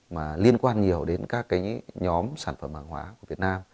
mà liên quan nhiều đến các cái nhóm sản phẩm hàng hóa của việt nam